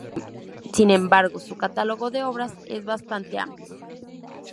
Sin embargo, su catálogo de obras es bastante amplio.